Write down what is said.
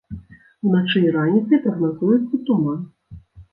Уначы і раніцай прагназуецца туман.